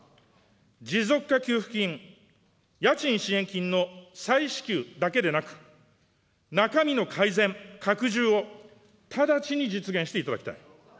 持続化給付金、家賃支援金の再支給だけでなく、中身の改善、拡充を直ちに実現していただきたい。